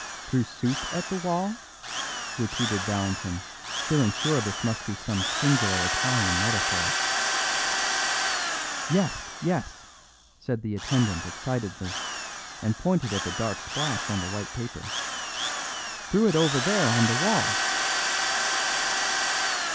"Threw soup at the wall?" repeated Valentin, feeling sure this must be some singular Italian metaphor. "Yes, yes," said the attendant excitedly, and pointed at the dark splash on the white paper; "threw it over there on the wall."